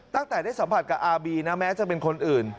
ตั้งแต่ได้สัมผัสกับอาร์บีนะแม้จะเป็นคนอื่น